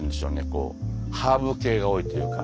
こうハーブ系が多いというか。